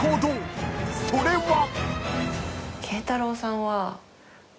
［それは］